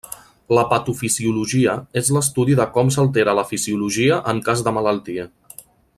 La patofisiologia és l'estudi de com s'altera la fisiologia en cas de malaltia.